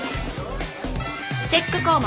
チェック項目